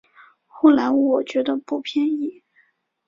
后来我觉得不便宜